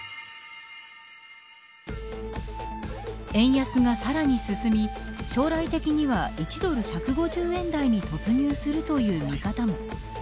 円安がさらに進み将来的には１ドル１５０円台に突入するという見方も。